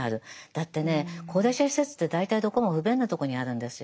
だってね高齢者施設って大体どこも不便なとこにあるんですよ。